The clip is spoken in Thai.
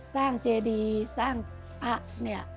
สร้างเจดีโฆษณ์สร้างพระธรรมเนี่ย